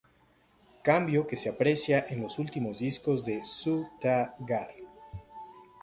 Cambio que se aprecia en los últimos discos de Su Ta Gar.